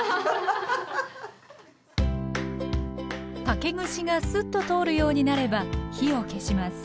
竹串がスッと通るようになれば火を消します